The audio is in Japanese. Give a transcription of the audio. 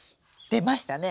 出ましたね。